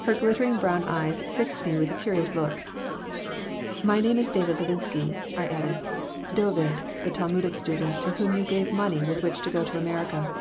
Her glittering brown eyes fixed me with a curious look. "My name is David Levinsky," I added. "'Dovid,' the Talmudic student to whom you gave money with which to go to America."